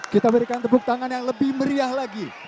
kita berikan tepuk tangan yang lebih meriah lagi